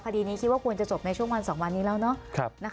คดีนี้คิดว่าควรจะจบในช่วงวัน๒วันนี้แล้วเนอะ